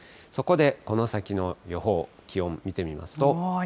そこで、この先の予報、気温、見てみますと。